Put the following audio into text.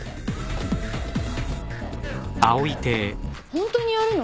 ホントにやるの？